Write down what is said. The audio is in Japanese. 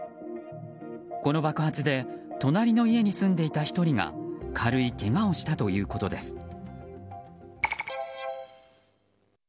この爆発で隣の家に住んでいた１人が軽いけがをしたということです。